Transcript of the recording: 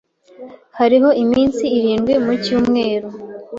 Hariho iminsi irindwi mu cyumweru